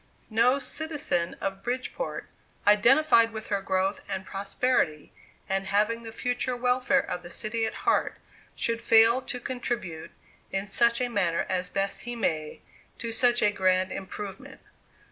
No citizen of Bridgeport, identified with her growth and prosperity, and having the future welfare of the city at heart, should fail to contribute, in such a manner as best he may, to such a grand improvement.